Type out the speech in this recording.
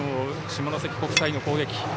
下関国際の攻撃。